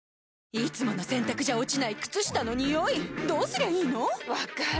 いつもの洗たくじゃ落ちない靴下のニオイどうすりゃいいの⁉分かる。